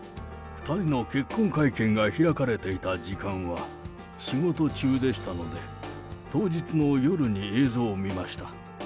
２人の結婚会見が開かれていた時間は、仕事中でしたので、当日の夜に映像を見ました。